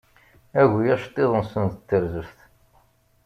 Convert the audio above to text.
Agi aceṭṭiḍ-nsen d terzeft.